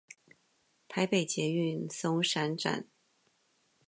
臺北捷運松山線